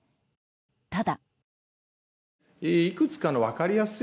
ただ。